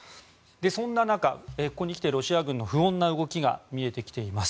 そんな中、ここに来てロシア軍の不穏な動きが見えてきています。